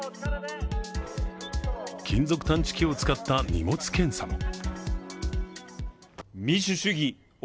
金属探知機を使った荷物検査も。